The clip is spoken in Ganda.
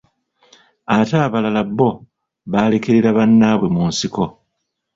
Ate abalala bo baalekerera banabwe mu nsiko.